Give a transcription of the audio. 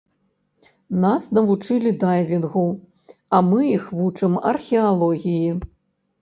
Нас навучылі дайвінгу, а мы іх вучым археалогіі.